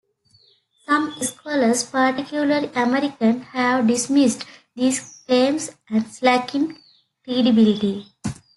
Some scholars, particularly American, have dismissed these claims as lacking credibility.